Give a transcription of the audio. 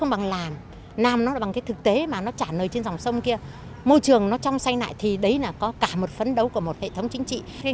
nếu mà nó trả nơi trên dòng sông kia môi trường nó trong say lại thì đấy là có cả một phấn đấu của một hệ thống chính trị